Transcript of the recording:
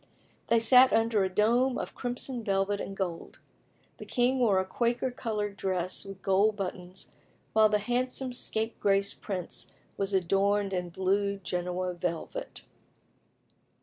They sat under a dome of crimson velvet and gold. The king wore a Quaker coloured dress with gold buttons, while the handsome scapegrace prince was adorned in blue Genoa velvet.